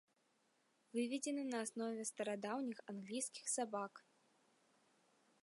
Выведзена на аснове старадаўніх англійскіх сабак.